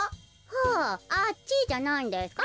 はああっちじゃないんですか？